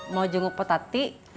mau jenguk potati